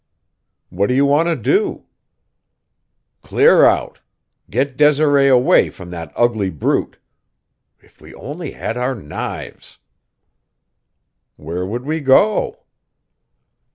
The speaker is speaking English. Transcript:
"What do you want to do?" "Clear out. Get Desiree away from that ugly brute. If we only had our knives!" "Where would we go?"